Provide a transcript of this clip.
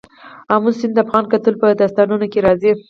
آمو سیند د افغان کلتور په داستانونو کې راځي.